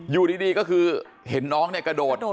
อยู่ดีก็คือเห็นน้องเนี่ยกระโดด